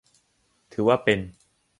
ถือว่าเป็น